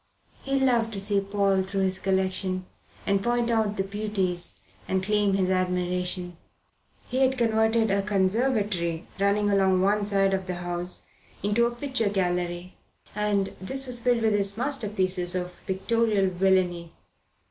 He loved to take Paul through his collection and point out the beauties and claim his admiration. He had converted a conservatory running along one side of the house into a picture gallery, and this was filled with his masterpieces of pictorial villainy.